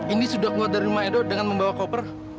ini sudah keluar dari rumah edo dengan membawa koper